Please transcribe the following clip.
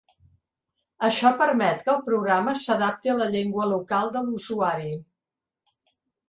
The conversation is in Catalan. Això permet que el programa s'adapti a la llengua local de l'usuari...